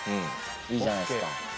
いいじゃないですか。